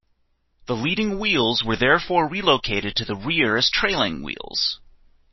The leading wheels were therefore relocated to the rear as trailing wheels.